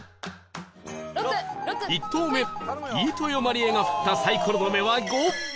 １投目飯豊まりえが振ったサイコロの目は ５！